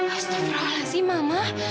astagfirullah sih mama